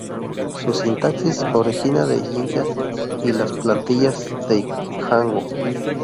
Su sintaxis origina de Jinja y las plantillas Django.